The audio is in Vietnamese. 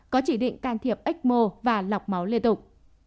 có chỉ định can thiệp ếch mô và lọc máu liên tục